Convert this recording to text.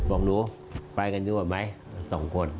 บอกนูดูดังไว้หน่อยมาสองคน